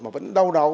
mà vẫn đau đau